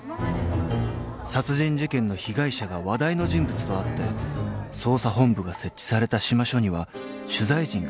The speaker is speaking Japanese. ［殺人事件の被害者が話題の人物とあって捜査本部が設置された志摩署には取材陣が詰め掛けていた］